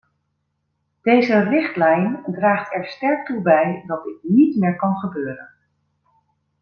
Deze richtlijn draagt er sterk toe bij dat dit niet meer kan gebeuren.